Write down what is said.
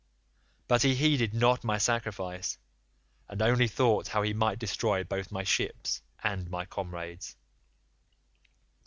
But he heeded not my sacrifice, and only thought how he might destroy both my ships and my comrades.